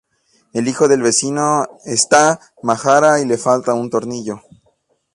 El hijo del vecino está majara y le falta un tornillo